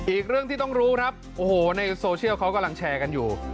อีกเรื่องที่ต้องรู้ครับโอ้โหในโซเชียลเขากำลังแชร์กันอยู่